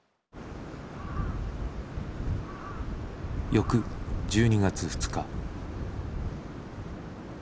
翌１２月２日。